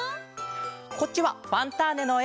こっちは「ファンターネ！」のえ。